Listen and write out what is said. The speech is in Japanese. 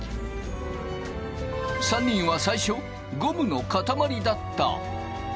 ３人は最初ゴムの塊だった。